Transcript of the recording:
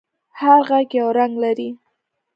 هر غږ یو رنگ لري.